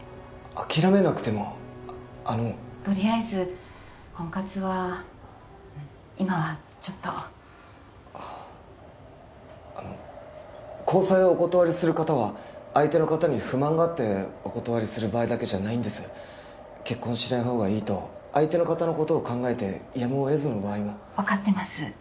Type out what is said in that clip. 諦めなくてもあのとりあえず婚活は今はちょっとあああの交際をお断りする方は相手の方に不満があってお断りする場合だけじゃないんです結婚しない方がいいと相手の方のことを考えてやむを得ずの場合も分かってます